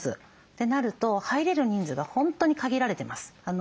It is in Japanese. ってなると入れる人数が本当に限られてます。